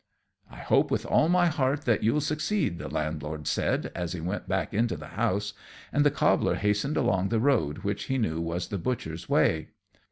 "I hope, with all my heart, that you'll succeed," the Landlord said, as he went back into the house; and the cobbler hastened along the road which he knew was the butcher's way.